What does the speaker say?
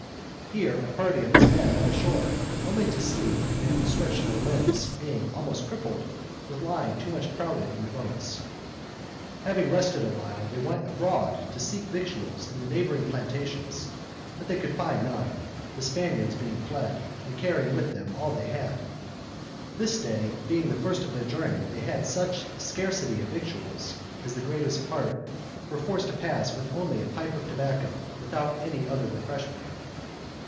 Here a party of his men went ashore, only to sleep and stretch their limbs, being almost crippled with lying too much crowded in the boats. Having rested awhile, they went abroad to seek victuals in the neighboring plantations; but they could find none, the Spaniards being fled, and carrying with them all they had. This day, being the first of their journey, they had such scarcity of victuals, as the greatest part were forced to pass with only a pipe of tobacco, without any other refreshment.